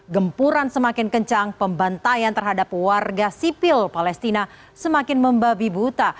gempuran semakin kencang pembantaian terhadap warga sipil palestina semakin membabi buta